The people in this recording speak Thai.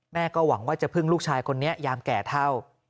หวังว่าจะพึ่งลูกชายคนนี้ยามแก่เท่า